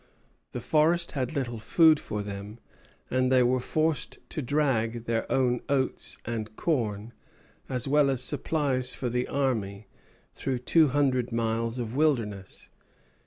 The forest had little food for them, and they were forced to drag their own oats and corn, as well as supplies for the army, through two hundred miles of wilderness.